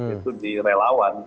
itu di relawan